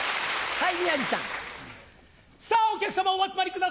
はい。